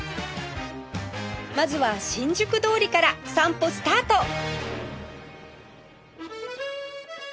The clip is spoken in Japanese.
まずは新宿通りから散歩スタート